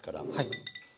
はい。